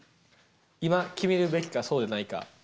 今決めるべきかそうでないか。